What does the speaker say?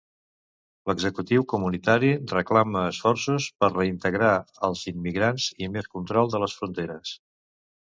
L'executiu comunitari reclama esforços per reintegrar els immigrants i més control de les fronteres.